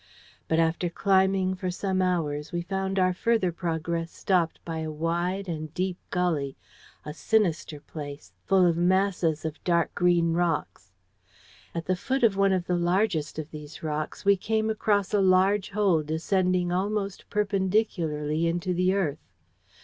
But after climbing for some hours we found our further progress stopped by a wide and deep gully, a sinister place, full of masses of dark green rocks. At the foot of one of the largest of these rocks we came across a large hole descending almost perpendicularly into the earth.